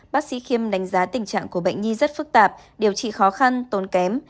bác sĩ kim đánh giá tình trạng của bệnh nhi rất phức tạp điều trị khó khăn tôn kém